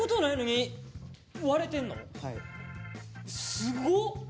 すごっ！え？